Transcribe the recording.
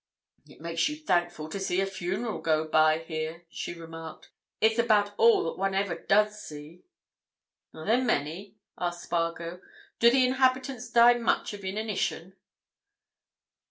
"It makes you thankful to see a funeral go by here," she remarked. "It's about all that one ever does see." "Are there many?" asked Spargo. "Do the inhabitants die much of inanition?"